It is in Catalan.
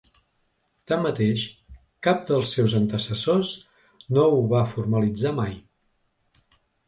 Tanmateix, cap dels seus antecessors no ho va formalitzar mai.